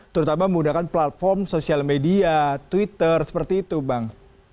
terutama menggunakan platform sosial media twitter seperti itu bang